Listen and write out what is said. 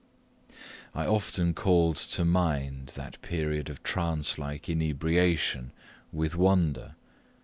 I often called to mind that period of trance like inebriation with wonder.